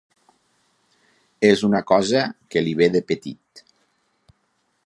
És una cosa que li ve de petit.